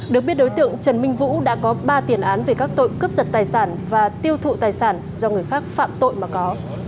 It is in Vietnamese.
được biết đối tượng trần minh vũ đã có ba tiền án về các tội cướp giật tài sản và tiêu thụ tài sản do người khác phạm tội mà có